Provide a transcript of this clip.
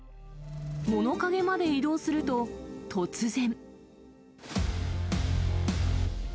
物陰まで移動すると、突然。